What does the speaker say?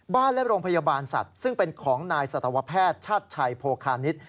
และโรงพยาบาลสัตว์ซึ่งเป็นของนายสัตวแพทย์ชาติชัยโพคานิษฐ์